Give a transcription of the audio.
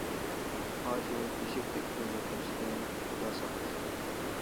ئاشۇ ئېشەكتەك كۈنگە قېلىشتىن خۇدا ساقلىسۇن.